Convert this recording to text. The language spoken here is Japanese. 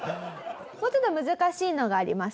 もうちょっと難しいのがあります。